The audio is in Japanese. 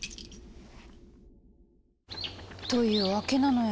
というわけなのよ。